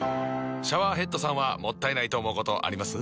シャワーヘッドさんはもったいないと思うことあります？